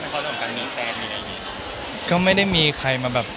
คุณค่ะคุณค่ะคุณค่ะ